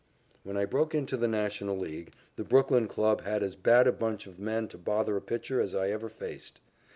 When I broke into the National League, the Brooklyn club had as bad a bunch of men to bother a pitcher as I ever faced.